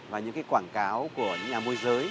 và những quảng cáo của nhà môi giới